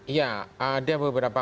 ya ada beberapa